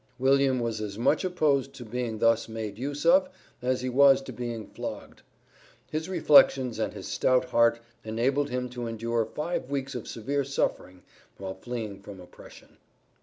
William was as much opposed to being thus made use of as he was to being flogged. His reflections and his stout heart enabled him to endure five weeks of severe suffering while fleeing from oppression.